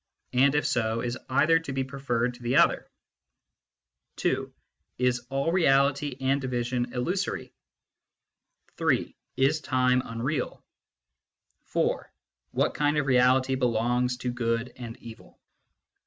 And if so, is either to be preferred to the other ? II. Is all plurality and division illusory ? III. Is time unreal ? IV. What kind of reality belongs to good and evil